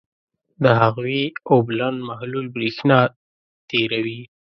د هغوي اوبلن محلول برېښنا تیروي.